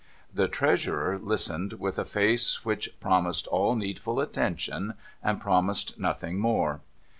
The Treasurer listened with a face which promised all needful attention, and promised nothing more.